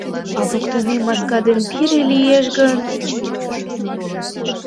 А воктенем маска ден пире лиеш гын...